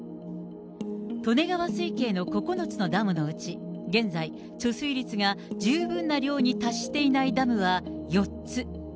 利根川水系の９つのダムのうち、現在、貯水率が十分な量に達していないダムは４つ。